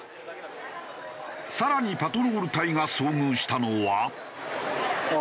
更にパトロール隊が遭遇したのは。